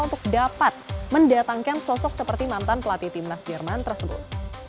untuk dapat mendatangkan sosok seperti mantan pelatih timnas jerman tersebut